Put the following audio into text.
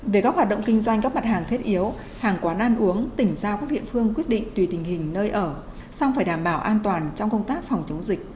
về các hoạt động kinh doanh các mặt hàng thiết yếu hàng quán ăn uống tỉnh giao các địa phương quyết định tùy tình hình nơi ở xong phải đảm bảo an toàn trong công tác phòng chống dịch